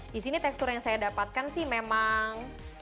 disini tekstur yang saya dapatkan sih memang